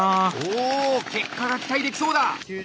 おお結果が期待できそうだ！